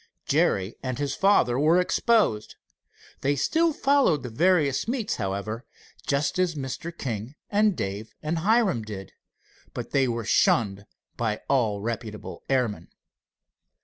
Jerry and his father were exposed. They still followed the various meets, however, just as Mr. King and Dave and Hiram did, but they were shunned by all reputable airmen.